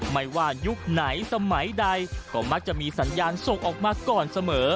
ไม่ว่ายุคไหนสมัยใดก็มักจะมีสัญญาณส่งออกมาก่อนเสมอ